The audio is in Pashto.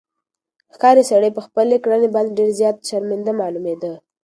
ښکاري سړی په خپلې کړنې باندې ډېر زیات شرمنده معلومېده.